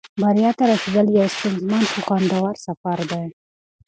بریا ته رسېدل یو ستونزمن خو خوندور سفر دی.